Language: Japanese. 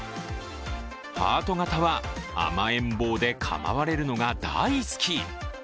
ハート形は甘えん坊でかまわれるのが大好き。